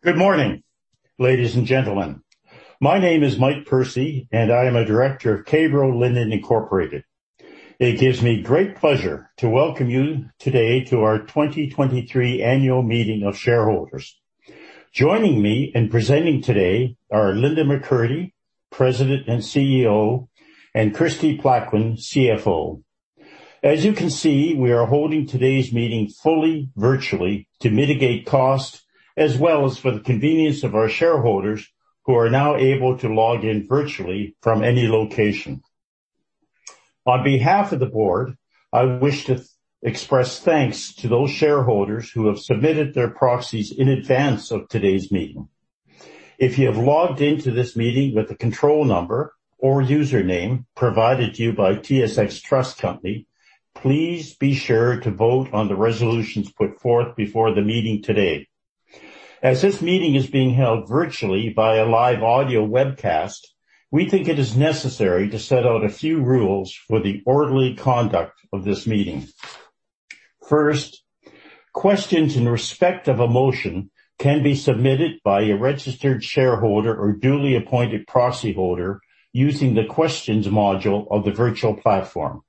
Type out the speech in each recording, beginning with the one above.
Good morning, ladies and gentlemen. My name is Mike Percy, and I am a director of K-Bro Linen Incorporated. It gives me great pleasure to welcome you today to our 2023 annual meeting of shareholders. Joining me in presenting today are Linda McCurdy, President and CEO, and Kristie Plaquin, CFO. As you can see, we are holding today's meeting fully virtually to mitigate costs as well as for the convenience of our shareholders who are now able to log in virtually from any location. On behalf of the board, I wish to express thanks to those shareholders who have submitted their proxies in advance of today's meeting. If you have logged into this meeting with a control number or username provided to you by TSX Trust Company, please be sure to vote on the resolutions put forth before the meeting today. As this meeting is being held virtually by a live audio webcast, we think it is necessary to set out a few rules for the orderly conduct of this meeting. First, questions in respect of a motion can be submitted by a registered shareholder or duly appointed proxy holder using the questions module of the virtual platform.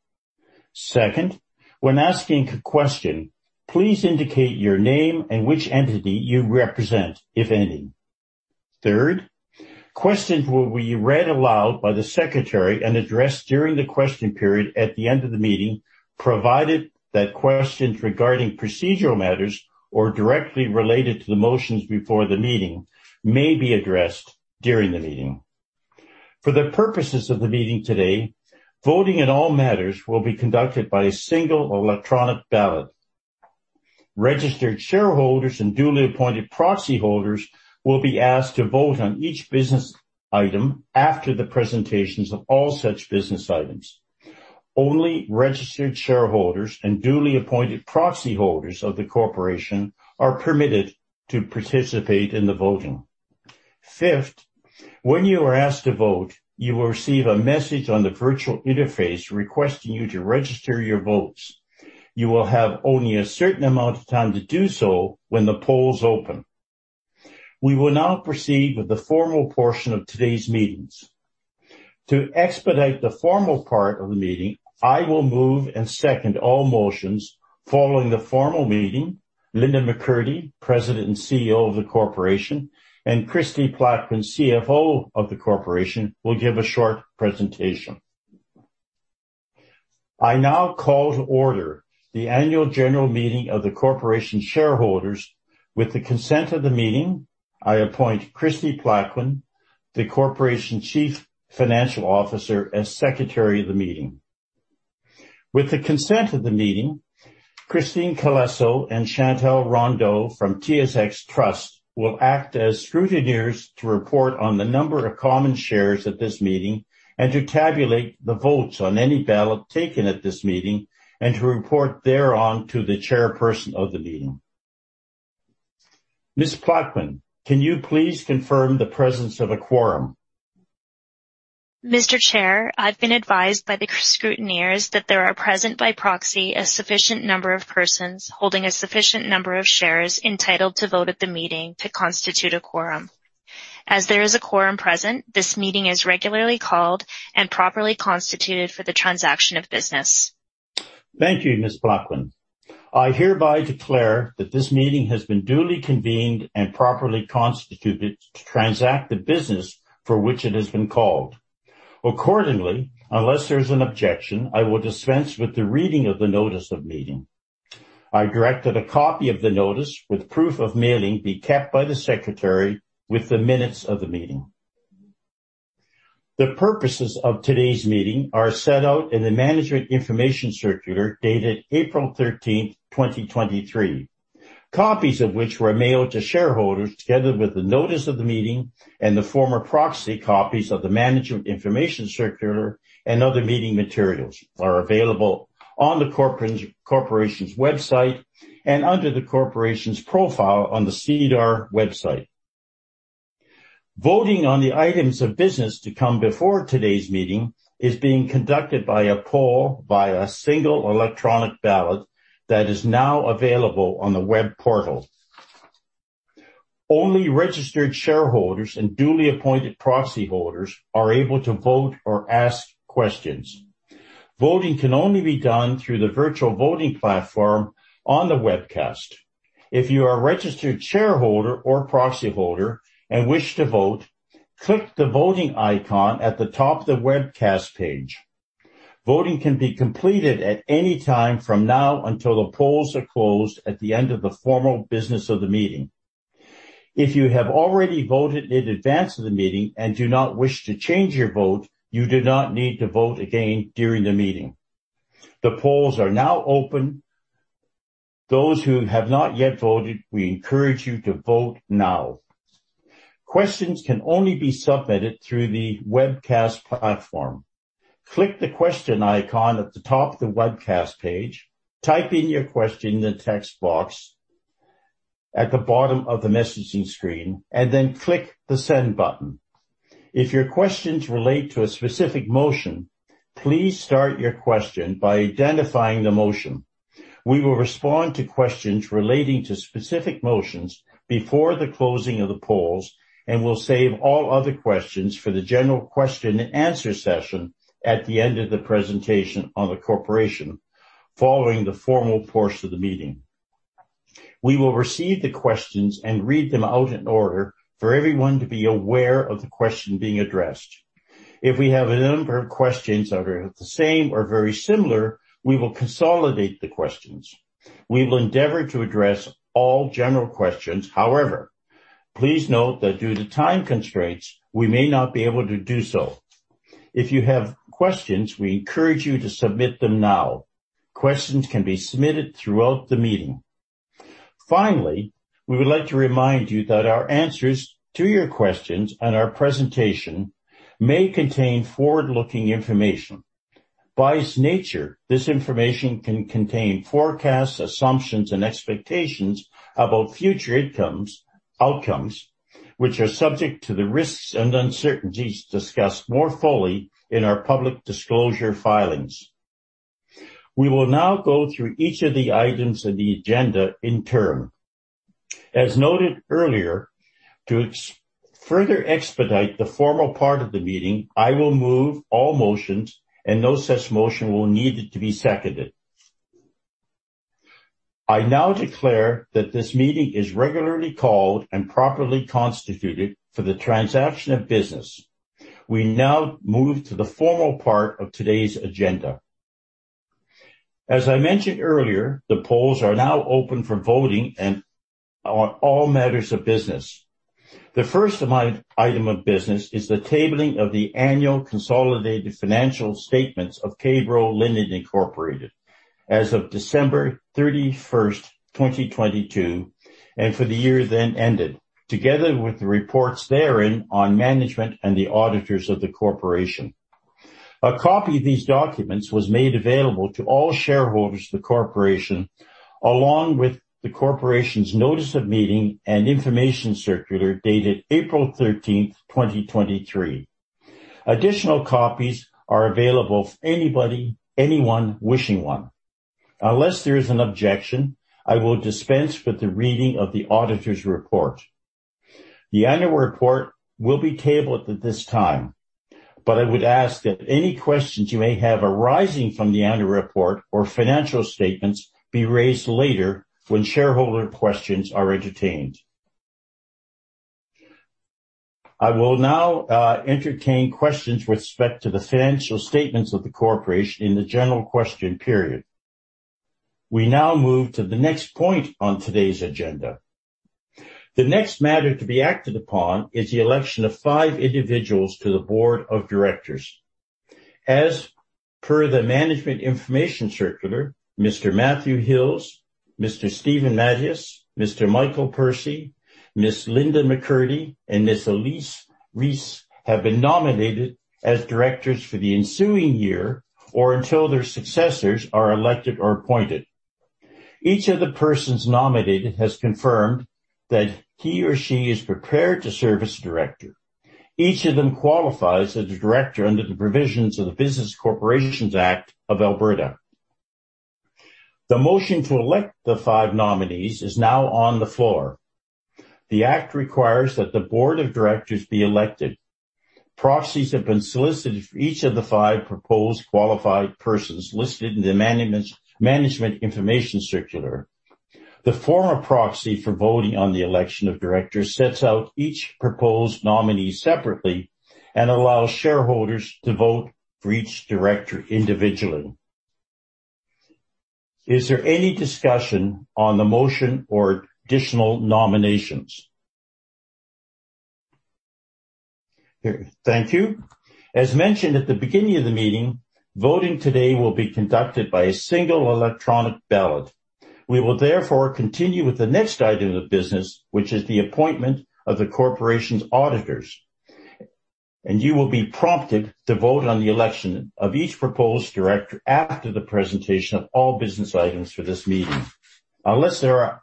Second, when asking a question, please indicate your name and which entity you represent, if any. Third, questions will be read aloud by the secretary and addressed during the question period at the end of the meeting, provided that questions regarding procedural matters or directly related to the motions before the meeting may be addressed during the meeting. For the purposes of the meeting today, voting in all matters will be conducted by a single electronic ballot. Registered shareholders and duly appointed proxy holders will be asked to vote on each business item after the presentations of all such business items. Only registered shareholders and duly appointed proxy holders of the corporation are permitted to participate in the voting. Fifth, when you are asked to vote, you will receive a message on the virtual interface requesting you to register your votes. You will have only a certain amount of time to do so when the polls open. We will now proceed with the formal portion of today's meetings. To expedite the formal part of the meeting, I will move and second all motions. Following the formal meeting, Linda McCurdy, President and CEO of the corporation, and Kristie Plaquin, CFO of the corporation, will give a short presentation. I now call to order the annual general meeting of the corporation shareholders. With the consent of the meeting, I appoint Kristie Plaquin, the Corporation Chief Financial Officer as Secretary of the meeting. With the consent of the meeting, Christine Colesso and Chantelle Rondeau from TSX Trust will act as scrutineers to report on the number of common shares at this meeting and to tabulate the votes on any ballot taken at this meeting, and to report thereon to the chairperson of the meeting. Miss Plaquin, can you please confirm the presence of a quorum? Mr. Chair, I've been advised by the scrutineers that there are present by proxy a sufficient number of persons holding a sufficient number of shares entitled to vote at the meeting to constitute a quorum. As there is a quorum present, this meeting is regularly called and properly constituted for the transaction of business. Thank you, Miss Plaquin. I hereby declare that this meeting has been duly convened and properly constituted to transact the business for which it has been called. Accordingly, unless there's an objection, I will dispense with the reading of the notice of meeting. I direct that a copy of the notice with proof of mailing be kept by the secretary with the minutes of the meeting. The purposes of today's meeting are set out in the Management Information Circular dated April 13, 2023. Copies of which were mailed to shareholders together with the notice of the meeting and the form of proxy copies of the Management Information Circular and other meeting materials are available on the corporation's website and under the corporation's profile on the SEDAR website. Voting on the items of business to come before today's meeting is being conducted by a poll by a single electronic ballot that is now available on the web portal. Only registered shareholders and duly appointed proxy holders are able to vote or ask questions. Voting can only be done through the virtual voting platform on the webcast. If you are a registered shareholder or proxy holder and wish to vote, click the voting icon at the top of the webcast page. Voting can be completed at any time from now until the polls are closed at the end of the formal business of the meeting. If you have already voted in advance of the meeting and do not wish to change your vote, you do not need to vote again during the meeting. The polls are now open. Those who have not yet voted, we encourage you to vote now. Questions can only be submitted through the webcast platform. Click the question icon at the top of the webcast page. Type in your question in the text box at the bottom of the messaging screen, and then click the Send button. If your questions relate to a specific motion, please start your question by identifying the motion. We will respond to questions relating to specific motions before the closing of the polls, and we'll save all other questions for the general question and answer session at the end of the presentation on the corporation, following the formal portion of the meeting. We will receive the questions and read them out in order for everyone to be aware of the question being addressed. If we have a number of questions that are the same or very similar, we will consolidate the questions. We will endeavor to address all general questions. However, please note that due to time constraints, we may not be able to do so. If you have questions, we encourage you to submit them now. Questions can be submitted throughout the meeting. Finally, we would like to remind you that our answers to your questions and our presentation may contain forward-looking information. By its nature, this information can contain forecasts, assumptions, and expectations about future outcomes which are subject to the risks and uncertainties discussed more fully in our public disclosure filings. We will now go through each of the items in the agenda in turn. As noted earlier, to further expedite the formal part of the meeting, I will move all motions and no such motion will need to be seconded. I now declare that this meeting is regularly called and properly constituted for the transaction of business. We now move to the formal part of today's agenda. As I mentioned earlier, the polls are now open for voting and on all matters of business. The first item of business is the tabling of the annual consolidated financial statements of K-Bro Linen Incorporated as of December 31, 2022, and for the year then ended, together with the reports therein on management and the auditors of the corporation. A copy of these documents was made available to all shareholders of the corporation, along with the corporation's notice of meeting and information circular dated April 13, 2023. Additional copies are available for anybody, anyone wishing one. Unless there is an objection, I will dispense with the reading of the auditor's report. The annual report will be tabled at this time, but I would ask that any questions you may have arising from the annual report or financial statements be raised later when shareholder questions are entertained. I will now entertain questions with respect to the financial statements of the corporation in the general question period. We now move to the next point on today's agenda. The next matter to be acted upon is the election of five individuals to the board of directors. As per the Management Information Circular, Mr. Matthew Hills, Mr. Steven Matyas, Mr. Michael Percy, Ms. Linda McCurdy, and Ms. Elise Rees have been nominated as directors for the ensuing year or until their successors are elected or appointed. Each of the persons nominated has confirmed that he or she is prepared to serve as director. Each of them qualifies as a director under the provisions of the Business Corporations Act of Alberta. The motion to elect the five nominees is now on the floor. The act requires that the board of directors be elected. Proxies have been solicited for each of the five proposed qualified persons listed in the Management Information Circular. The form of proxy for voting on the election of directors sets out each proposed nominee separately and allows shareholders to vote for each director individually. Is there any discussion on the motion or additional nominations? Thank you. As mentioned at the beginning of the meeting, voting today will be conducted by a single electronic ballot. We will therefore continue with the next item of business, which is the appointment of the corporation's auditors. You will be prompted to vote on the election of each proposed director after the presentation of all business items for this meeting. Unless there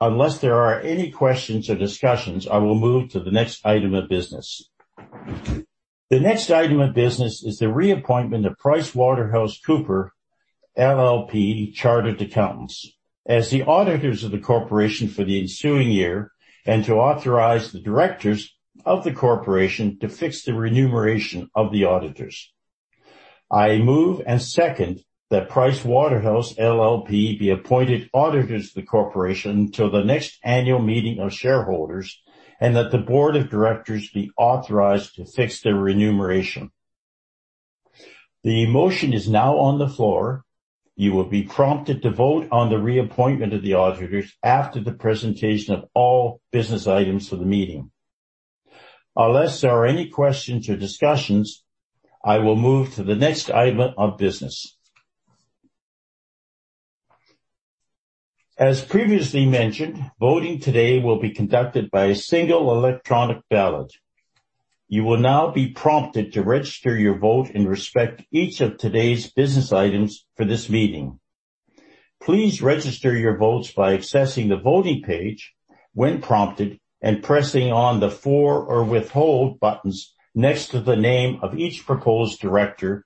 are any questions or discussions, I will move to the next item of business. The next item of business is the reappointment of PricewaterhouseCoopers LLP Chartered Accountants as the auditors of the corporation for the ensuing year, and to authorize the directors of the corporation to fix the remuneration of the auditors. I move and second that PricewaterhouseCoopers LLP be appointed auditors of the corporation till the next annual meeting of shareholders, and that the board of directors be authorized to fix their remuneration. The motion is now on the floor. You will be prompted to vote on the reappointment of the auditors after the presentation of all business items for the meeting. Unless there are any questions or discussions, I will move to the next item of business. As previously mentioned, voting today will be conducted by a single electronic ballot. You will now be prompted to register your vote in respect of each of today's business items for this meeting. Please register your votes by accessing the voting page when prompted and pressing on the for or withhold buttons next to the name of each proposed director,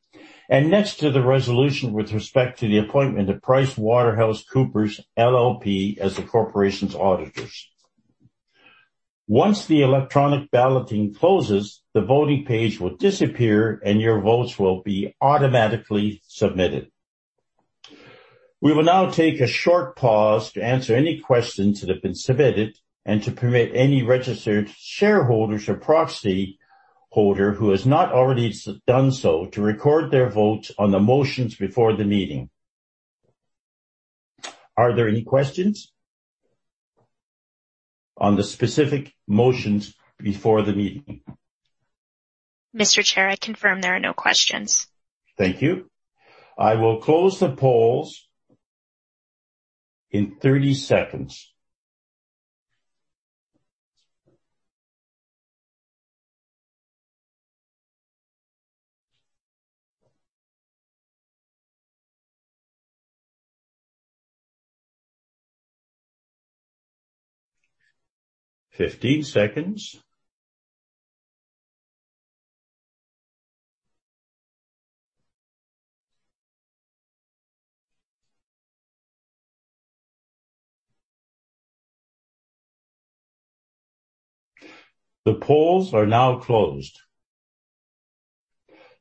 and next to the resolution with respect to the appointment of PricewaterhouseCoopers LLP as the corporation's auditors. Once the electronic balloting closes, the voting page will disappear and your votes will be automatically submitted. We will now take a short pause to answer any questions that have been submitted and to permit any registered shareholders or proxy holder who has not already done so to record their votes on the motions before the meeting. Are there any questions on the specific motions before the meeting? Mr. Chair, I confirm there are no questions. Thank you. I will close the polls in 30 seconds. 15 seconds. The polls are now closed.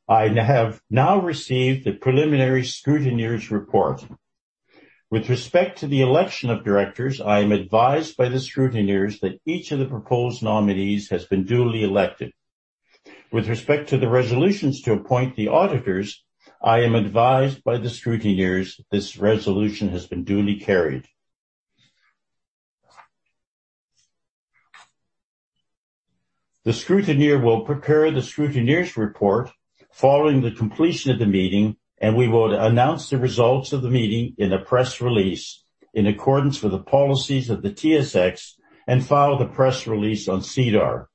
I have now received the preliminary scrutineers' report. With respect to the election of directors, I am advised by the scrutineers that each of the proposed nominees has been duly elected. With respect to the resolutions to appoint the auditors, I am advised by the scrutineers that this resolution has been duly carried. The scrutineer will prepare the scrutineers' report following the completion of the meeting, and we will announce the results of the meeting in a press release in accordance with the policies of the TSX and file the press release on SEDAR.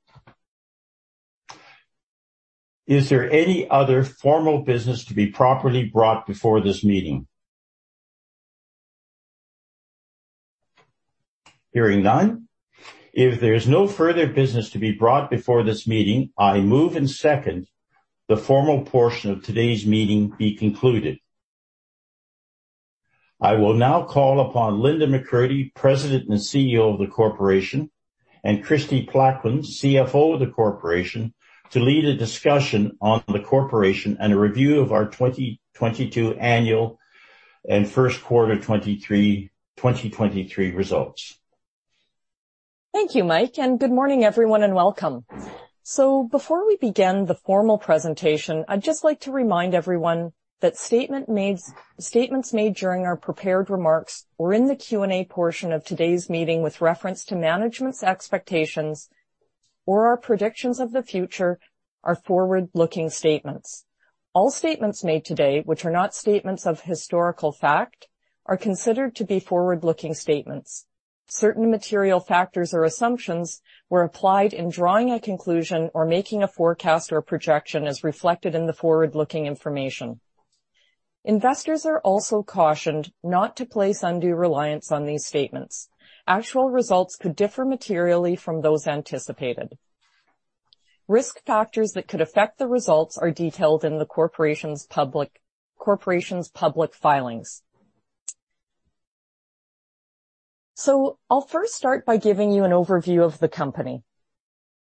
Is there any other formal business to be properly brought before this meeting? Hearing none. If there is no further business to be brought before this meeting, I move and second the formal portion of today's meeting be concluded. I will now call upon Linda McCurdy, President and CEO of the Corporation, and Kristie Plaquin, CFO of the Corporation, to lead a discussion on the corporation and a review of our 2022 annual and first quarter 2023 results. Thank you, Mike, and good morning, everyone, and welcome. Before we begin the formal presentation, I'd just like to remind everyone that statements made during our prepared remarks or in the Q&A portion of today's meeting with reference to management's expectations or our predictions of the future are forward-looking statements. All statements made today, which are not statements of historical fact, are considered to be forward-looking statements. Certain material factors or assumptions were applied in drawing a conclusion or making a forecast or a projection as reflected in the forward-looking information. Investors are also cautioned not to place undue reliance on these statements. Actual results could differ materially from those anticipated. Risk factors that could affect the results are detailed in the corporation's public filings. I'll first start by giving you an overview of the company.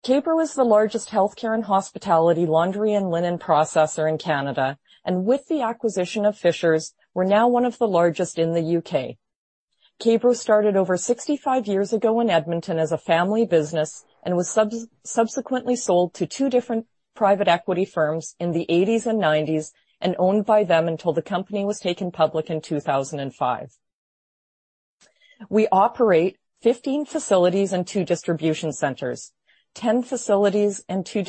K-Bro is the largest healthcare and hospitality laundry and linen processor in Canada, and with the acquisition of Fishers, we're now one of the largest in the U.K. K-Bro started over 65 years ago in Edmonton as a family business and was subsequently sold to two different private equity firms in the 1980s and 1990s and owned by them until the company was taken public in 2005. We operate 15 facilities and two distribution centers. 10 facilities and two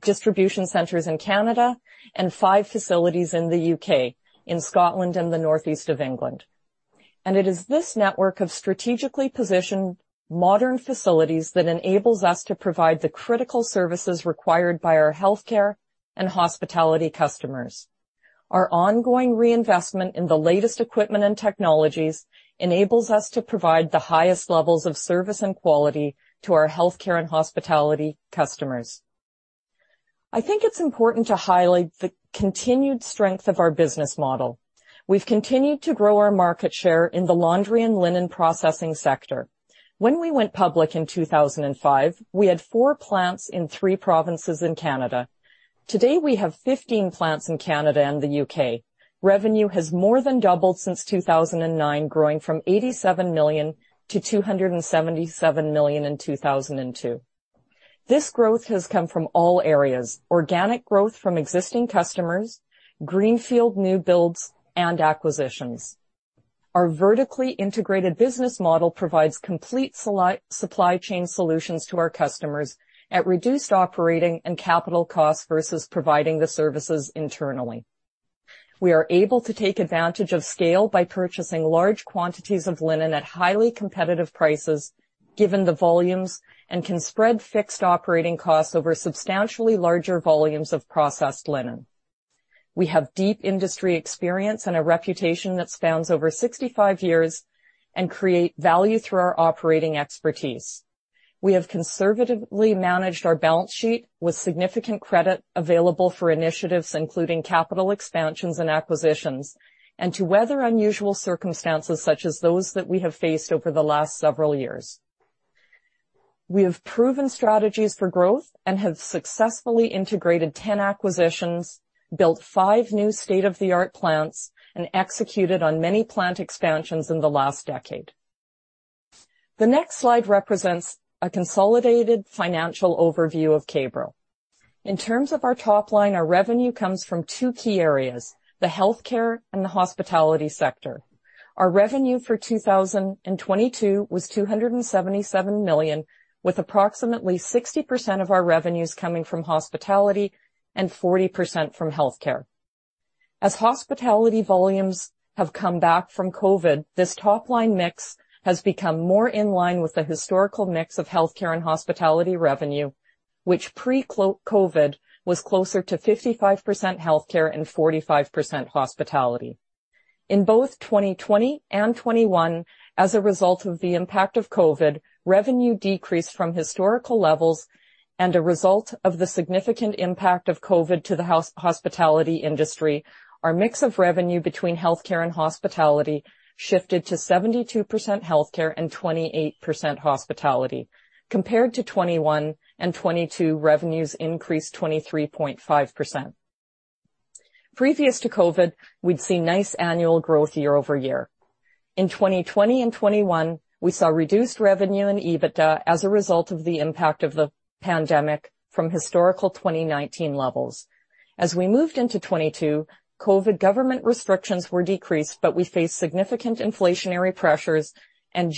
distribution centers in Canada, and five facilities in the U.K., in Scotland and the Northeast of England. It is this network of strategically positioned modern facilities that enables us to provide the critical services required by our healthcare and hospitality customers. Our ongoing reinvestment in the latest equipment and technologies enables us to provide the highest levels of service and quality to our healthcare and hospitality customers. I think it's important to highlight the continued strength of our business model. We've continued to grow our market share in the laundry and linen processing sector. When we went public in 2005, we had four plants in three provinces in Canada. Today, we have 15 plants in Canada and the U.K. Revenue has more than doubled since 2009, growing from 87 million to 277 million in 2022. This growth has come from all areas, organic growth from existing customers, greenfield new builds, and acquisitions. Our vertically integrated business model provides complete supply chain solutions to our customers at reduced operating and capital costs versus providing the services internally. We are able to take advantage of scale by purchasing large quantities of linen at highly competitive prices. Given the volumes, we can spread fixed operating costs over substantially larger volumes of processed linen. We have deep industry experience and a reputation that spans over 65 years, and we create value through our operating expertise. We have conservatively managed our balance sheet with significant credit available for initiatives, including capital expansions and acquisitions, and to weather unusual circumstances such as those that we have faced over the last several years. We have proven strategies for growth and have successfully integrated 10 acquisitions, built five new state-of-the-art plants, and executed on many plant expansions in the last decade. The next slide represents a consolidated financial overview of K-Bro. In terms of our top line, our revenue comes from two key areas, the healthcare and the hospitality sector. Our revenue for 2022 was 277 million, with approximately 60% of our revenues coming from hospitality and 40% from healthcare. As hospitality volumes have come back from COVID, this top-line mix has become more in line with the historical mix of healthcare and hospitality revenue, which pre-COVID was closer to 55% healthcare and 45% hospitality. In both 2020 and 2021, as a result of the impact of COVID, revenue decreased from historical levels as a result of the significant impact of COVID to the hospitality industry. Our mix of revenue between healthcare and hospitality shifted to 72% healthcare and 28% hospitality. Compared to 2021 and 2022, revenues increased 23.5%. Previous to COVID, we'd seen nice annual growth year over year. In 2020 and 2021, we saw reduced revenue and EBITDA as a result of the impact of the pandemic from historical 2019 levels. As we moved into 2022, COVID government restrictions were decreased, but we faced significant inflationary pressures and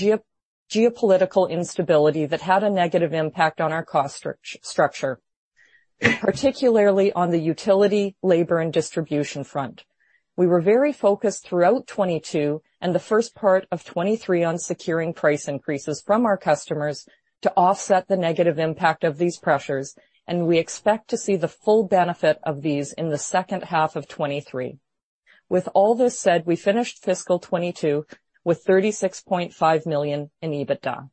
geopolitical instability that had a negative impact on our cost structure, particularly on the utility, labor, and distribution front. We were very focused throughout 2022 and the first part of 2023 on securing price increases from our customers to offset the negative impact of these pressures, and we expect to see the full benefit of these in the second half of 2023. With all this said, we finished fiscal 2022 with 36.5 million in EBITDA.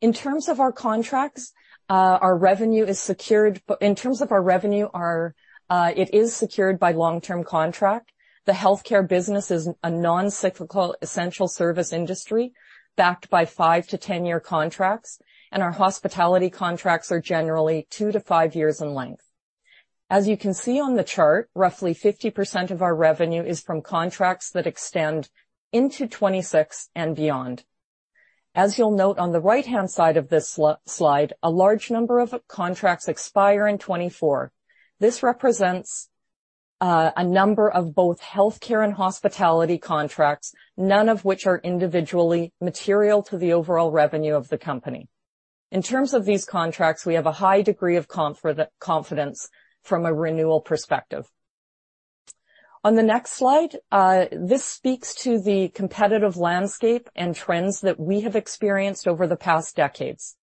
In terms of our contracts, our revenue is secured. But in terms of our revenue, it is secured by long-term contract. The healthcare business is a non-cyclical, essential service industry backed by five to 10-year contracts, and our hospitality contracts are generally two to five years in length. As you can see on the chart, roughly 50% of our revenue is from contracts that extend into 2026 and beyond. As you'll note on the right-hand side of this slide, a large number of contracts expire in 2024. This represents a number of both healthcare and hospitality contracts, none of which are individually material to the overall revenue of the company. In terms of these contracts, we have a high degree of confidence from a renewal perspective. On the next slide, this speaks to the competitive landscape and trends that we have experienced over the past decades.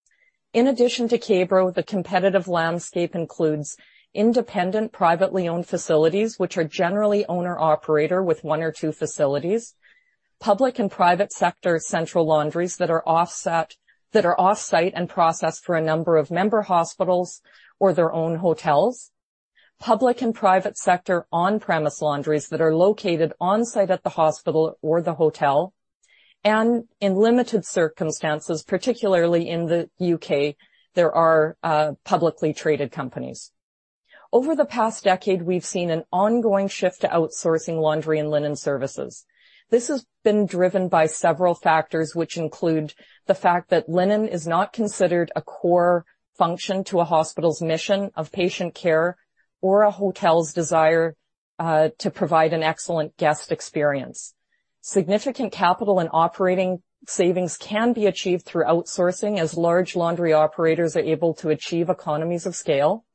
In addition to K-Bro, the competitive landscape includes independent, privately owned facilities, which are generally owner/operator with one or two facilities. Public and private sector central laundries that are offsite and processed for a number of member hospitals or their own hotels. Public and private sector on-premise laundries that are located on-site at the hospital or the hotel. In limited circumstances, particularly in the U.K., there are publicly traded companies. Over the past decade, we've seen an ongoing shift to outsourcing laundry and linen services. This has been driven by several factors, which include the fact that linen is not considered a core function to a hospital's mission of patient care or a hotel's desire to provide an excellent guest experience. Significant capital and operating savings can be achieved through outsourcing, as large laundry operators are able to achieve economies of scale.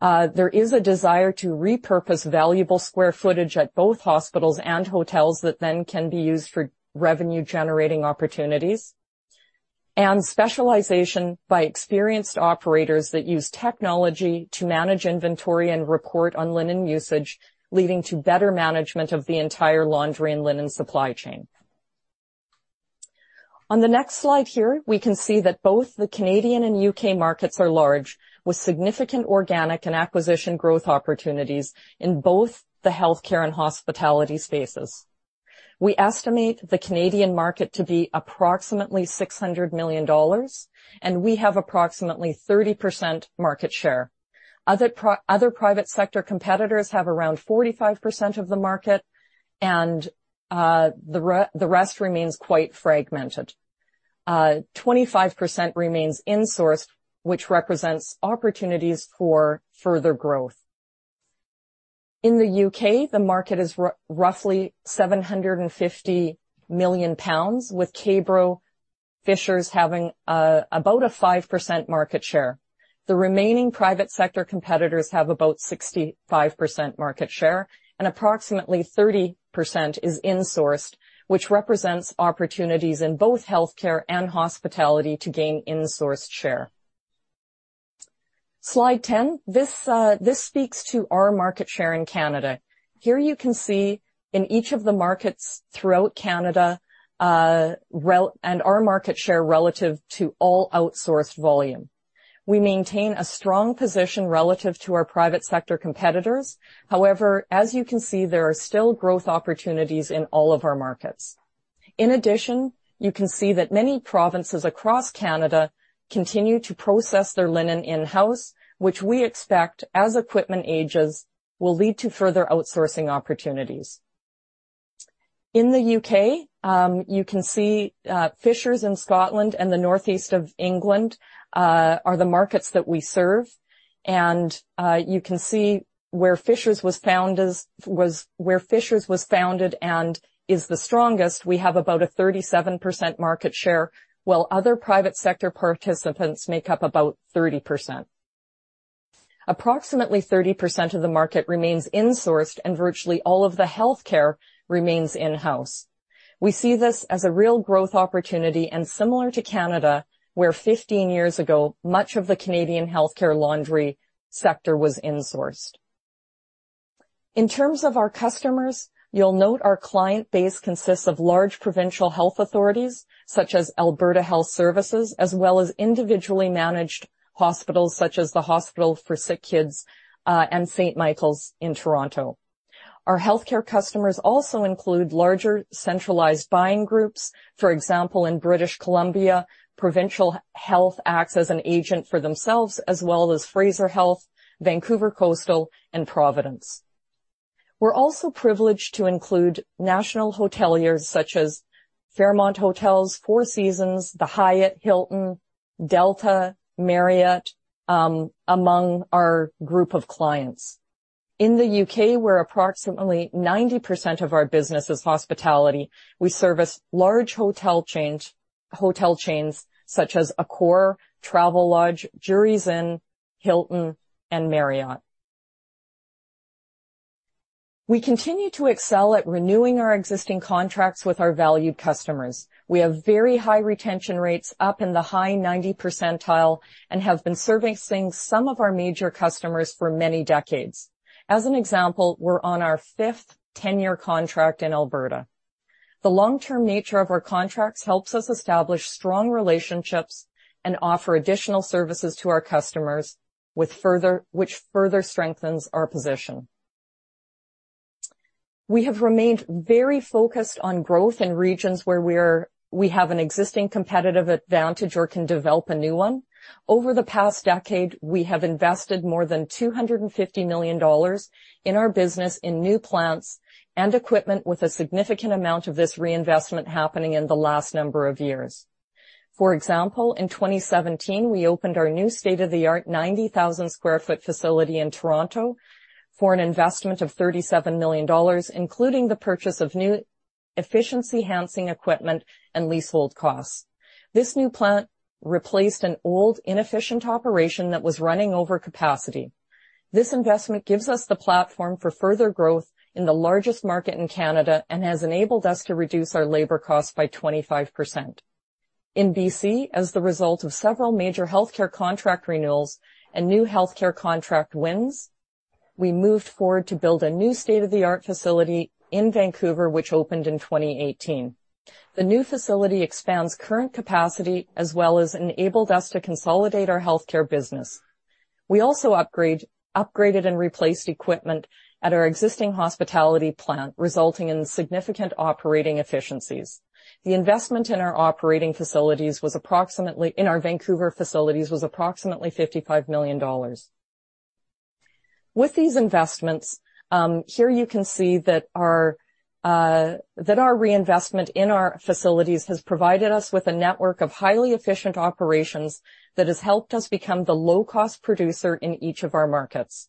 There is a desire to repurpose valuable square footage at both hospitals and hotels that then can be used for revenue-generating opportunities. Specialization by experienced operators that use technology to manage inventory and report on linen usage, leading to better management of the entire laundry and linen supply chain. On the next slide here, we can see that both the Canadian and U.K. markets are large, with significant organic and acquisition growth opportunities in both the healthcare and hospitality spaces. We estimate the Canadian market to be approximately 600 million dollars, and we have approximately 30% market share. Other private sector competitors have around 45% of the market, and the rest remains quite fragmented. 25% remains insourced, which represents opportunities for further growth. In the U.K., the market is roughly 750 million pounds, with K-Bro Fishers having about a 5% market share. The remaining private sector competitors have about 65% market share, and approximately 30% is insourced, which represents opportunities in both healthcare and hospitality to gain insourced share. Slide 10. This speaks to our market share in Canada. Here you can see in each of the markets throughout Canada, and our market share relative to all outsourced volume. We maintain a strong position relative to our private sector competitors. However, as you can see, there are still growth opportunities in all of our markets. In addition, you can see that many provinces across Canada continue to process their linen in-house, which we expect, as equipment ages, will lead to further outsourcing opportunities. In the U.K., you can see, Fishers and Scotland and the Northeast of England, are the markets that we serve. You can see where Fishers was founded and is the strongest, we have about a 37% market share, while other private sector participants make up about 30%. Approximately 30% of the market remains insourced, and virtually all of the healthcare remains in-house. We see this as a real growth opportunity and similar to Canada, where 15 years ago, much of the Canadian healthcare laundry sector was insourced. In terms of our customers, you'll note our client base consists of large provincial health authorities such as Alberta Health Services, as well as individually managed hospitals such as the Hospital for Sick Children and St. Michael's Hospital in Toronto. Our healthcare customers also include larger centralized buying groups. For example, in British Columbia, Provincial Health Services Authority acts as an agent for themselves as well as Fraser Health, Vancouver Coastal Health, and Providence Health Care. We're also privileged to include national hoteliers such as Fairmont Hotels, Four Seasons, the Hyatt, Hilton, Delta, Marriott, among our group of clients. In the U.K., where approximately 90% of our business is hospitality, we service large hotel chains such as Accor, Travelodge, Jurys Inn, Hilton, and Marriott. We continue to excel at renewing our existing contracts with our valued customers. We have very high retention rates up in the high 90s percentile and have been servicing some of our major customers for many decades. As an example, we're on our fifth 10-year contract in Alberta. The long-term nature of our contracts helps us establish strong relationships and offer additional services to our customers, which further strengthens our position. We have remained very focused on growth in regions where we have an existing competitive advantage or can develop a new one. Over the past decade, we have invested more than 250 million dollars in our business in new plants and equipment with a significant amount of this reinvestment happening in the last number of years. For example, in 2017, we opened our new state-of-the-art 90,000 sq ft facility in Toronto for an investment of CAD 37 million, including the purchase of new efficiency-enhancing equipment and leasehold costs. This new plant replaced an old, inefficient operation that was running over capacity. This investment gives us the platform for further growth in the largest market in Canada and has enabled us to reduce our labor cost by 25%. In B.C., as the result of several major healthcare contract renewals and new healthcare contract wins, we moved forward to build a new state-of-the-art facility in Vancouver, which opened in 2018. The new facility expands current capacity as well as enabled us to consolidate our healthcare business. We also upgraded and replaced equipment at our existing hospitality plant, resulting in significant operating efficiencies. The investment in our Vancouver facilities was approximately 55 million dollars. With these investments, here you can see that our reinvestment in our facilities has provided us with a network of highly efficient operations that has helped us become the low cost producer in each of our markets.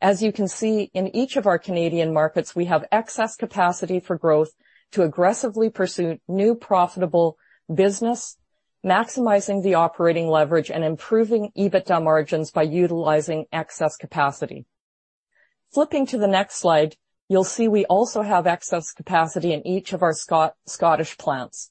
As you can see, in each of our Canadian markets, we have excess capacity for growth to aggressively pursue new profitable business, maximizing the operating leverage and improving EBITDA margins by utilizing excess capacity. Flipping to the next slide, you'll see we also have excess capacity in each of our Scottish plants.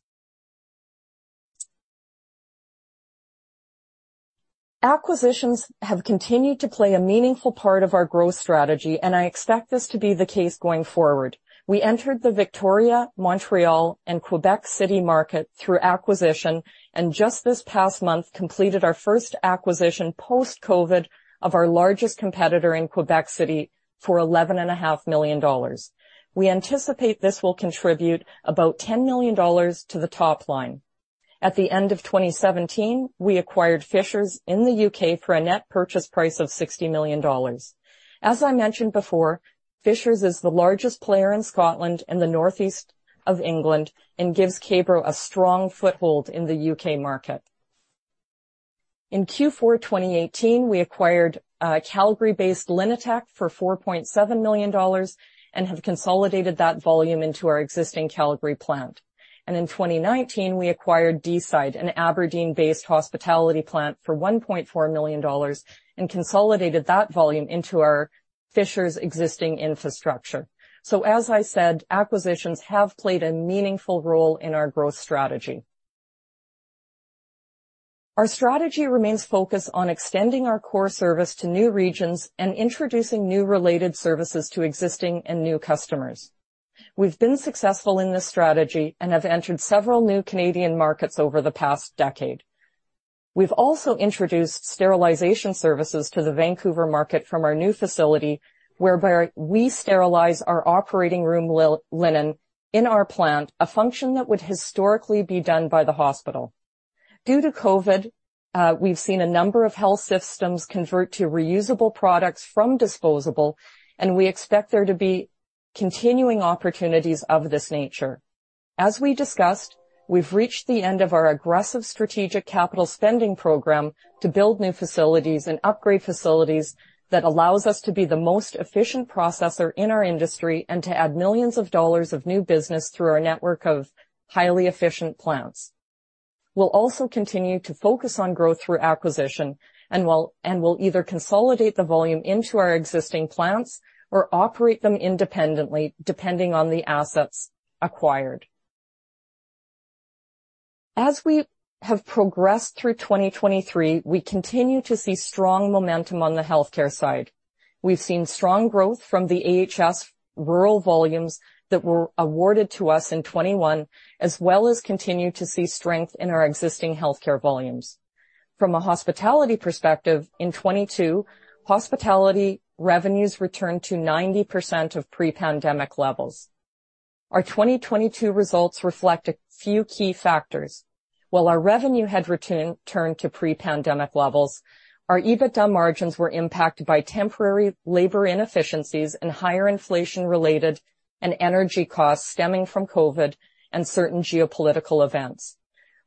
Acquisitions have continued to play a meaningful part of our growth strategy, and I expect this to be the case going forward. We entered the Victoria, Montreal, and Quebec City market through acquisition, and just this past month, completed our first acquisition post-COVID of our largest competitor in Quebec City for CAD 11.5 million. We anticipate this will contribute about 10 million dollars to the top line. At the end of 2017, we acquired Fishers in the U.K. for a net purchase price of 60 million dollars. As I mentioned before, Fishers is the largest player in Scotland and the northeast of England and gives K-Bro a strong foothold in the U.K. market. In Q4 2018, we acquired Calgary-based Linitek for 4.7 million dollars and have consolidated that volume into our existing Calgary plant. In 2019, we acquired Deeside, an Aberdeen-based hospitality plant, for 1.4 million dollars and consolidated that volume into our Fishers existing infrastructure. As I said, acquisitions have played a meaningful role in our growth strategy. Our strategy remains focused on extending our core service to new regions and introducing new related services to existing and new customers. We've been successful in this strategy and have entered several new Canadian markets over the past decade. We've also introduced sterilization services to the Vancouver market from our new facility, whereby we sterilize our operating room linen in our plant, a function that would historically be done by the hospital. Due to COVID, we've seen a number of health systems convert to reusable products from disposable, and we expect there to be continuing opportunities of this nature. As we discussed, we've reached the end of our aggressive strategic capital spending program to build new facilities and upgrade facilities that allows us to be the most efficient processor in our industry and to add millions of dollars of new business through our network of highly efficient plants. We'll also continue to focus on growth through acquisition and will either consolidate the volume into our existing plants or operate them independently depending on the assets acquired. As we have progressed through 2023, we continue to see strong momentum on the healthcare side. We've seen strong growth from the AHS rural volumes that were awarded to us in 2021, as well as continue to see strength in our existing healthcare volumes. From a hospitality perspective, in 2022, hospitality revenues returned to 90% of pre-pandemic levels. Our 2022 results reflect a few key factors. While our revenue had returned to pre-pandemic levels, our EBITDA margins were impacted by temporary labor inefficiencies and higher inflation-related and energy costs stemming from COVID and certain geopolitical events.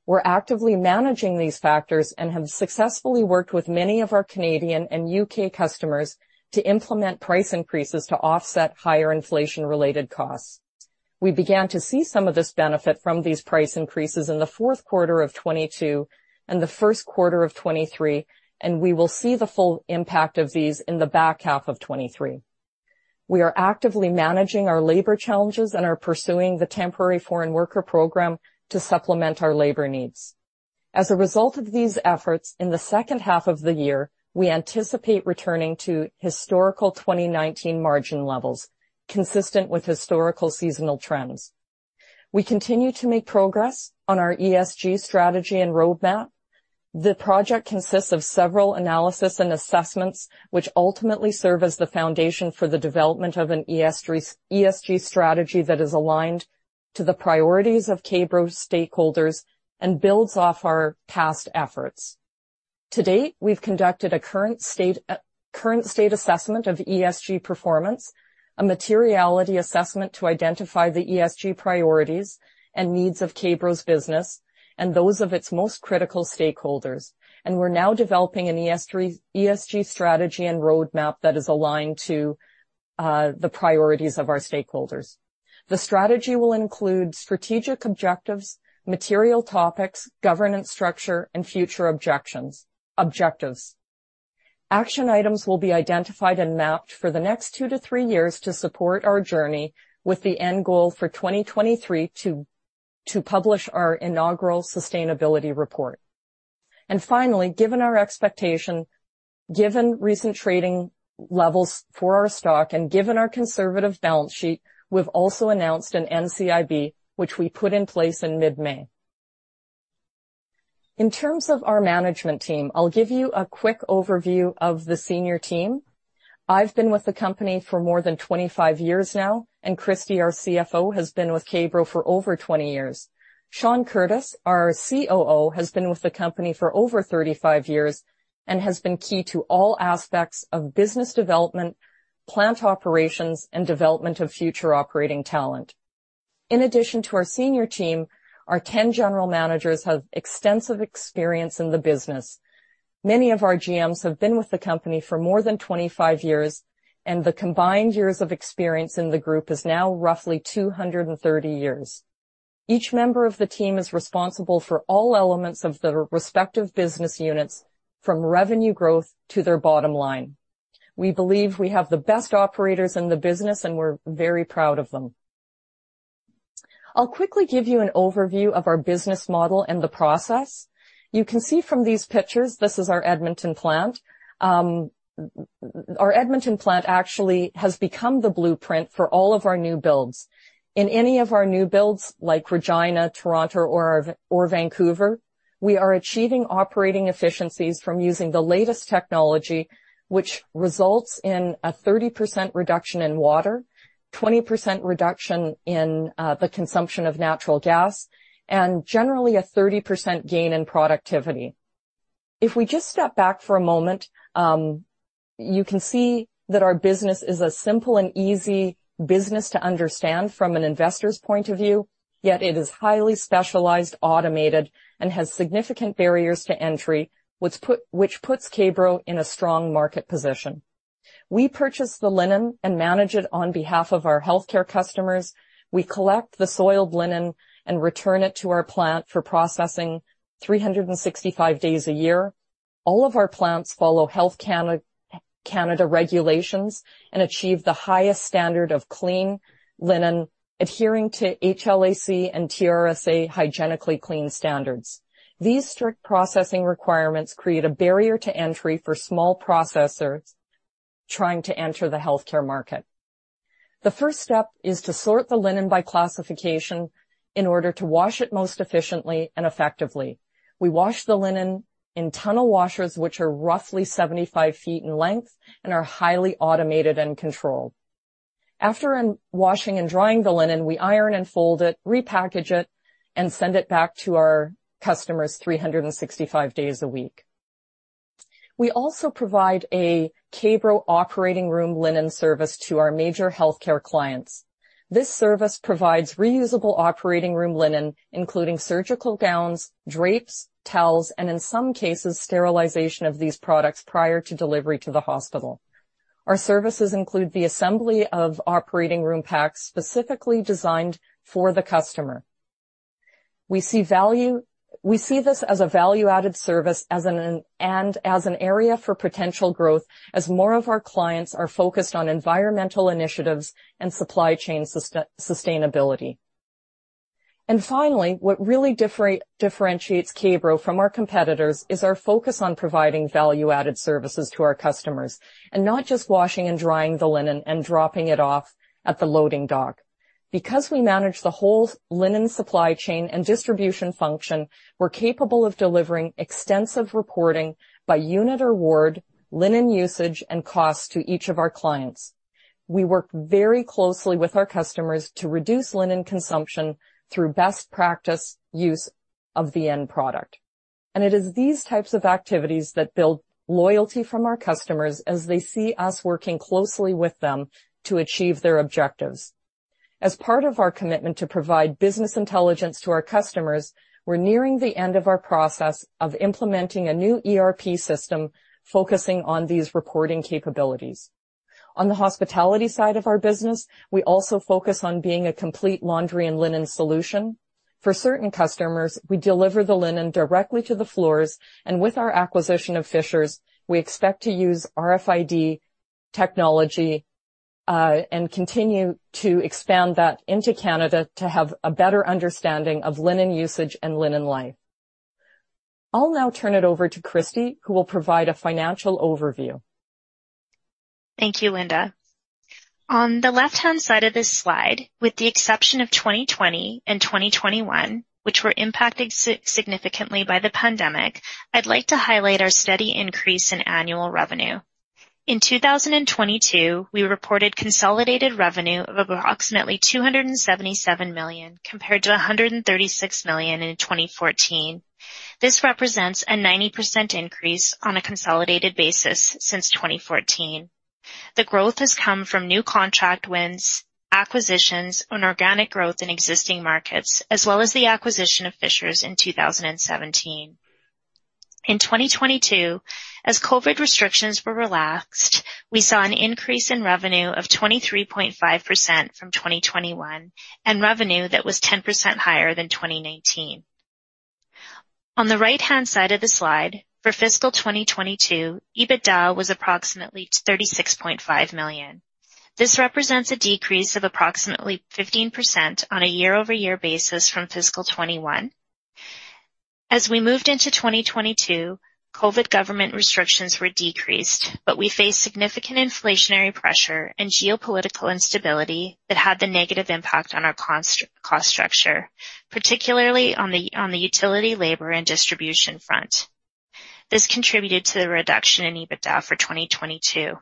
We're actively managing these factors and have successfully worked with many of our Canadian and U.K. customers to implement price increases to offset higher inflation-related costs. We began to see some of this benefit from these price increases in the fourth quarter of 2022 and the first quarter of 2023, and we will see the full impact of these in the back half of 2023. We are actively managing our labor challenges and are pursuing the Temporary Foreign Worker Program to supplement our labor needs. As a result of these efforts, in the second half of the year, we anticipate returning to historical 2019 margin levels, consistent with historical seasonal trends. We continue to make progress on our ESG strategy and roadmap. The project consists of several analysis and assessments, which ultimately serve as the foundation for the development of an ESG strategy that is aligned to the priorities of K-Bro's stakeholders and builds off our past efforts. To date, we've conducted a current state assessment of ESG performance, a materiality assessment to identify the ESG priorities and needs of K-Bro's business and those of its most critical stakeholders. We're now developing an ESG strategy and roadmap that is aligned to the priorities of our stakeholders. The strategy will include strategic objectives, material topics, governance structure, and future objectives. Action items will be identified and mapped for the next two to three years to support our journey with the end goal for 2023 to publish our inaugural sustainability report. Finally, given our expectation, given recent trading levels for our stock, and given our conservative balance sheet, we've also announced an NCIB, which we put in place in mid-May. In terms of our management team, I'll give you a quick overview of the senior team. I've been with the company for more than 25 years now, and Kristie Plaquin, our CFO, has been with K-Bro for over 20 years. Sean Curtis, our COO, has been with the company for over 35 years and has been key to all aspects of business development, plant operations, and development of future operating talent. In addition to our senior team, our 10 general managers have extensive experience in the business. Many of our GMs have been with the company for more than 25 years, and the combined years of experience in the group is now roughly 230 years. Each member of the team is responsible for all elements of the respective business units from revenue growth to their bottom line. We believe we have the best operators in the business, and we're very proud of them. I'll quickly give you an overview of our business model and the process. You can see from these pictures. This is our Edmonton plant. Our Edmonton plant actually has become the blueprint for all of our new builds. In any of our new builds, like Regina, Toronto, or Vancouver, we are achieving operating efficiencies from using the latest technology, which results in a 30% reduction in water, 20% reduction in the consumption of natural gas, and generally a 30% gain in productivity. If we just step back for a moment. You can see that our business is a simple and easy business to understand from an investor's point of view, yet it is highly specialized, automated, and has significant barriers to entry, which puts K-Bro in a strong market position. We purchase the linen and manage it on behalf of our healthcare customers. We collect the soiled linen and return it to our plant for processing 365 days a year. All of our plants follow Health Canada regulations and achieve the highest standard of clean linen, adhering to HLAC and TRSA hygienically clean standards. These strict processing requirements create a barrier to entry for small processors trying to enter the healthcare market. The first step is to sort the linen by classification in order to wash it most efficiently and effectively. We wash the linen in tunnel washers, which are roughly 75 feet in length and are highly automated and controlled. After washing and drying the linen, we iron and fold it, repackage it, and send it back to our customers 365 days a week. We also provide a K-Bro operating room linen service to our major healthcare clients. This service provides reusable operating room linen, including surgical gowns, drapes, towels, and in some cases, sterilization of these products prior to delivery to the hospital. Our services include the assembly of operating room packs specifically designed for the customer. We see this as a value-added service and as an area for potential growth as more of our clients are focused on environmental initiatives and supply chain sustainability. Finally, what really differentiates K-Bro from our competitors is our focus on providing value-added services to our customers, and not just washing and drying the linen and dropping it off at the loading dock. Because we manage the whole linen supply chain and distribution function, we're capable of delivering extensive reporting by unit or ward, linen usage, and cost to each of our clients. We work very closely with our customers to reduce linen consumption through best practice use of the end product. It is these types of activities that build loyalty from our customers as they see us working closely with them to achieve their objectives. As part of our commitment to provide business intelligence to our customers, we're nearing the end of our process of implementing a new ERP system focusing on these reporting capabilities. On the hospitality side of our business, we also focus on being a complete laundry and linen solution. For certain customers, we deliver the linen directly to the floors, and with our acquisition of Fishers, we expect to use RFID technology and continue to expand that into Canada to have a better understanding of linen usage and linen life. I'll now turn it over to Kristie, who will provide a financial overview. Thank you, Linda. On the left-hand side of this slide, with the exception of 2020 and 2021, which were impacted significantly by the pandemic, I'd like to highlight our steady increase in annual revenue. In 2022, we reported consolidated revenue of approximately 277 million, compared to 136 million in 2014. This represents a 90% increase on a consolidated basis since 2014. The growth has come from new contract wins, acquisitions and organic growth in existing markets, as well as the acquisition of Fishers in 2017. In 2022, as COVID restrictions were relaxed, we saw an increase in revenue of 23.5% from 2021, and revenue that was 10% higher than 2019. On the right-hand side of the slide, for fiscal 2022, EBITDA was approximately 36.5 million. This represents a decrease of approximately 15% on a year-over-year basis from fiscal 2021. As we moved into 2022, COVID government restrictions were decreased, but we faced significant inflationary pressure and geopolitical instability that had the negative impact on our cost structure, particularly on the utility, labor, and distribution front. This contributed to the reduction in EBITDA for 2022.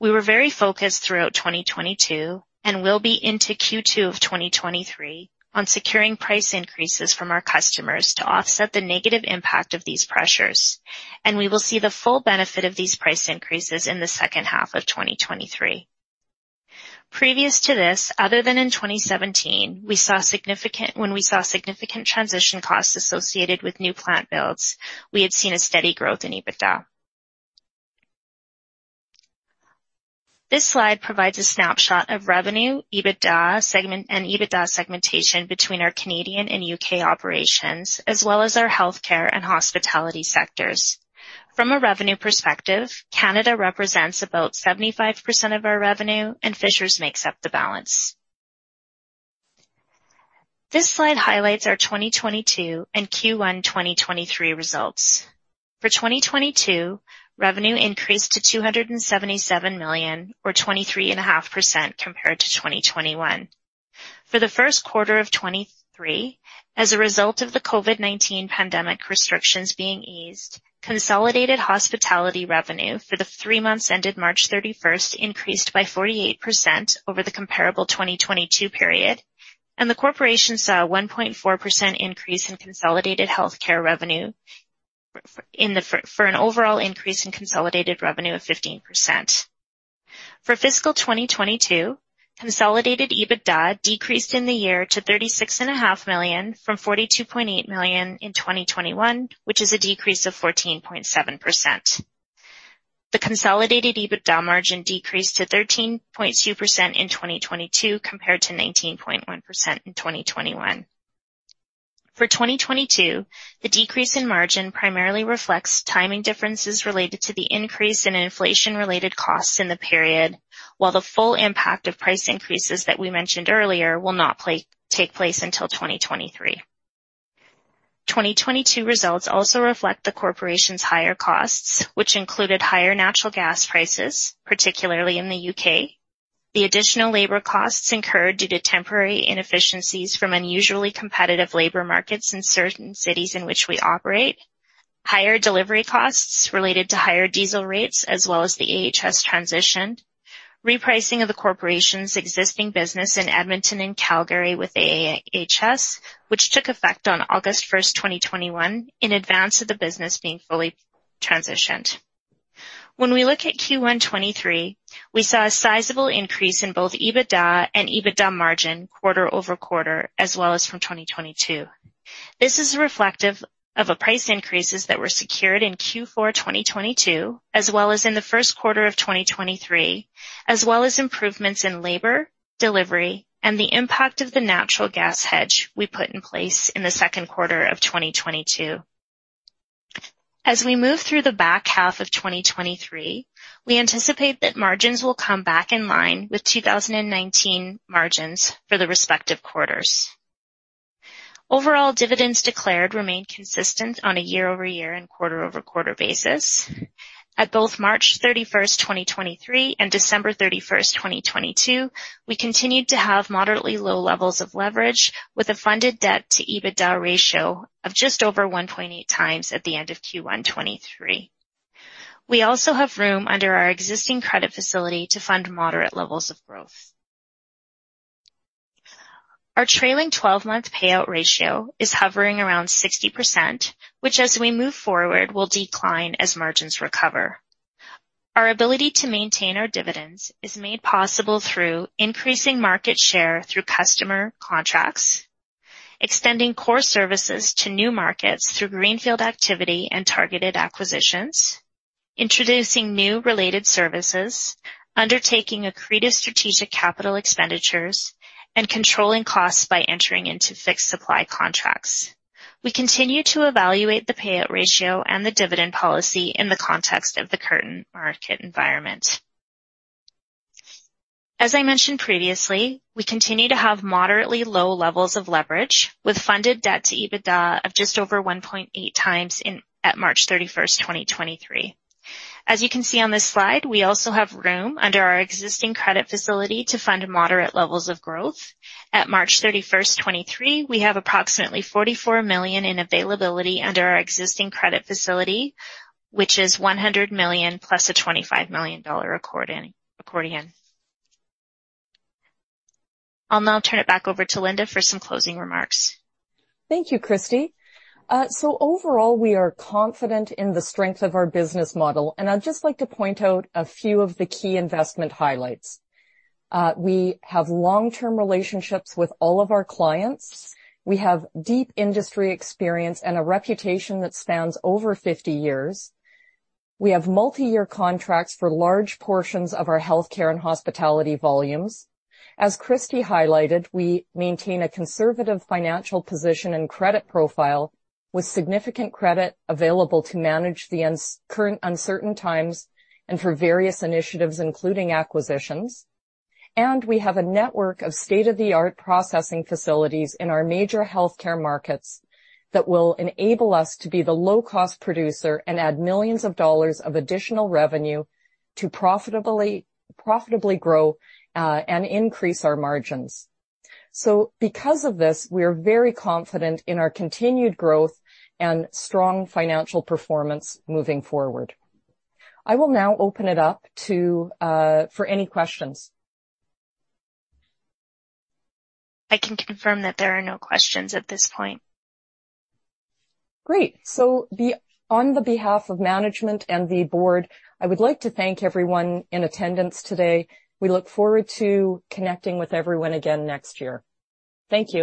We were very focused throughout 2022, and will be into Q2 of 2023, on securing price increases from our customers to offset the negative impact of these pressures. We will see the full benefit of these price increases in the second half of 2023. Previous to this, other than in 2017, when we saw significant transition costs associated with new plant builds, we had seen a steady growth in EBITDA. This slide provides a snapshot of revenue, EBITDA segment, and EBITDA segmentation between our Canadian and U.K. operations, as well as our healthcare and hospitality sectors. From a revenue perspective, Canada represents about 75% of our revenue, and Fishers makes up the balance. This slide highlights our 2022 and Q1 2023 results. For 2022, revenue increased to 277 million or 23.5% compared to 2021. For Q1 2023, as a result of the COVID-19 pandemic restrictions being eased, consolidated hospitality revenue for the three months ended March 31 increased by 48% over the comparable 2022 period, and the corporation saw a 1.4% increase in consolidated healthcare revenue. For an overall increase in consolidated revenue of 15%. For fiscal 2022, consolidated EBITDA decreased in the year to 36.5 million from 42.8 million in 2021, which is a decrease of 14.7%. The consolidated EBITDA margin decreased to 13.2% in 2022 compared to 19.1% in 2021. For 2022, the decrease in margin primarily reflects timing differences related to the increase in inflation-related costs in the period, while the full impact of price increases that we mentioned earlier will not take place until 2023. 2022 results also reflect the corporation's higher costs, which included higher natural gas prices, particularly in the U.K., the additional labor costs incurred due to temporary inefficiencies from unusually competitive labor markets in certain cities in which we operate, higher delivery costs related to higher diesel rates, as well as the AHS transition. Repricing of the corporation's existing business in Edmonton and Calgary with AHS, which took effect on August first, 2021, in advance of the business being fully transitioned. When we look at Q1 2023, we saw a sizable increase in both EBITDA and EBITDA margin quarter-over-quarter, as well as from 2022. This is reflective of a price increases that were secured in Q4 2022, as well as in the first quarter of 2023, as well as improvements in labor, delivery, and the impact of the natural gas hedge we put in place in the second quarter of 2022. As we move through the back half of 2023, we anticipate that margins will come back in line with 2019 margins for the respective quarters. Overall, dividends declared remained consistent on a year-over-year and quarter-over-quarter basis. At both March 31, 2023 and December 31, 2022, we continued to have moderately low levels of leverage, with a funded debt to EBITDA ratio of just over 1.8 times at the end of Q1 2023. We also have room under our existing credit facility to fund moderate levels of growth. Our trailing twelve-month payout ratio is hovering around 60%, which, as we move forward, will decline as margins recover. Our ability to maintain our dividends is made possible through increasing market share through customer contracts, extending core services to new markets through greenfield activity and targeted acquisitions, introducing new related services, undertaking accretive strategic capital expenditures, and controlling costs by entering into fixed supply contracts. We continue to evaluate the payout ratio and the dividend policy in the context of the current market environment. As I mentioned previously, we continue to have moderately low levels of leverage with funded debt to EBITDA of just over 1.8 times as at March 31, 2023. As you can see on this slide, we also have room under our existing credit facility to fund moderate levels of growth. As at March 31, 2023, we have approximately 44 million in availability under our existing credit facility, which is 100 million plus a 25 million dollar accordion. I'll now turn it back over to Linda for some closing remarks. Thank you, Kristie. Overall, we are confident in the strength of our business model, and I'd just like to point out a few of the key investment highlights. We have long-term relationships with all of our clients. We have deep industry experience and a reputation that spans over 50 years. We have multi-year contracts for large portions of our healthcare and hospitality volumes. As Kristie highlighted, we maintain a conservative financial position and credit profile with significant credit available to manage the current uncertain times and for various initiatives, including acquisitions. We have a network of state-of-the-art processing facilities in our major healthcare markets that will enable us to be the low-cost producer and add millions of CAD of additional revenue to profitably grow and increase our margins. Because of this, we are very confident in our continued growth and strong financial performance moving forward. I will now open it up to for any questions. I can confirm that there are no questions at this point. Great. On behalf of management and the board, I would like to thank everyone in attendance today. We look forward to connecting with everyone again next year. Thank you.